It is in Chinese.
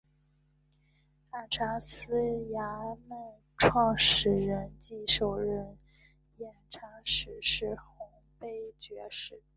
按察使司衙门创设人暨首任按察使是洪卑爵士。